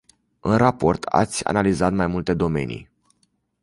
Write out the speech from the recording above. În raport ați analizat mai multe domenii.